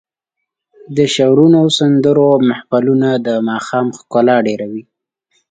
د شعرونو او سندرو محفلونه د ماښام ښکلا ډېروي.